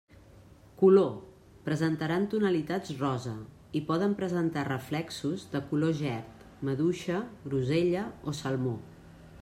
Color: presentaran tonalitats rosa, i poden presentar reflexos de color gerd, maduixa, grosella o salmó.